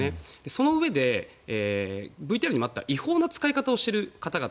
そのうえで、ＶＴＲにもあった違法な使い方をしている方々